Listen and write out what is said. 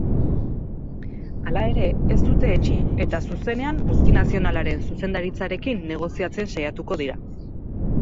Hala ere, ez dute etsi eta zuzenean multinazionalaren zuzendaritzarekin negoziatzen saiatuko dira.